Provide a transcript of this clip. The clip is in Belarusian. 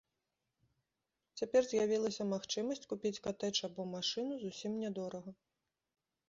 Цяпер з'явілася магчымасць купіць катэдж або машыну зусім нядорага.